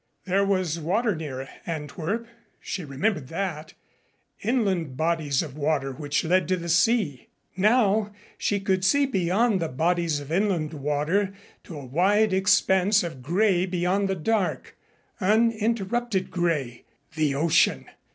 There was water near Antwerp she remembered that, inland bodies of water which led to the sea. Now she could see beyond the bodies of inland water to a wide expanse of gray beyond the dark uninterrupted gray the ocean!